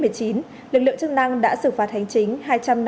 lực lượng chức năng đã xử phạt hành chính